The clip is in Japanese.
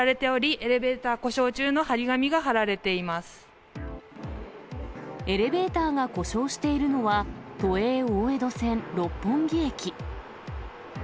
エレベーターが故障しているのは、都営大江戸線六本木駅。